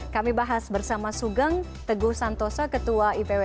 kami bahas bersama sugeng teguh santoso ketua ipw